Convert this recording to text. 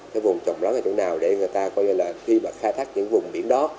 cái vùng trọng lắm là chỗ nào để người ta coi như là khi mà khai thác những vùng biển đó